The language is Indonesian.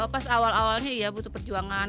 pas awal awalnya iya butuh perjuangan